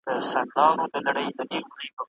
زه بیا مکتب ته ځم.